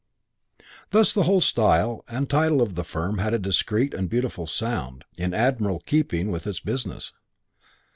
Thus the whole style and title of the firm had a discreet and beautiful sound, in admirable keeping with its business.